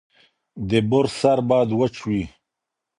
د برس سر باید وچ وي.